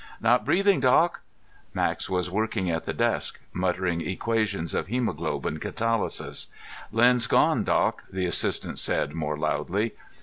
"Not breathing, Doc!" Max was working at the desk, muttering equations of hemoglobin catalysis. "Len's gone, Doc," the assistant said more loudly.